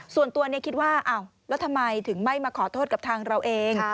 ส่วนตัวคิดว่าอ้าวแล้วทำไมถึงไม่มาขอโทษกับทางเราเอง